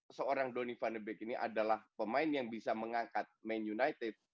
apakah seorang donny van de beek ini adalah pemain yang bisa mengangkat man united